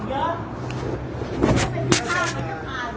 เมื่อกี้ก็ไม่มีเมื่อกี้